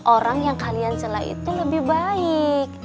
orang yang kalian celah itu lebih baik